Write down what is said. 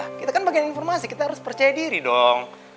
nah kita kan bagian informasi kita harus percaya diri dong